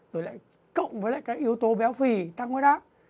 rồi lại cộng với lại các yếu tố béo phì tăng ngôi đá